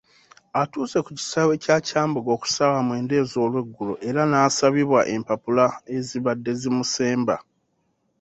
Atuuse ku kisaawe kya Kyambogo ku ssaawa mwenda ez'olweggulo era n'asabibwa empapula ezibadde zimusemba.